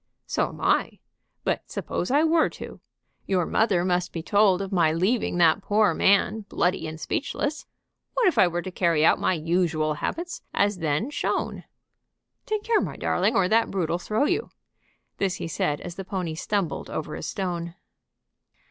"So am I. But suppose I were to? Your mother must be told of my leaving that poor man bloody and speechless. What if I were to carry out my usual habits as then shown? Take care, my darling, or that brute'll throw you!" This he said as the pony stumbled over a stone.